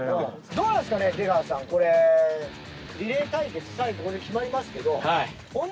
どうなんですかね出川さんこれリレー対決最後決まりますけど。